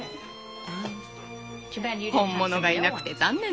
本物がいなくて残念ね。